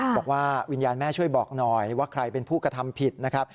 บอกว่าวิญญาณแม่ช่วยบอกหน่อยว่าใครเป็นผู้กระทำผิดนะครับ